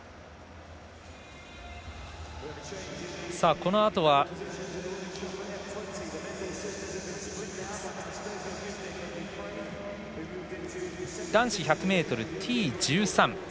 このあとは男子１００ｍＴ１３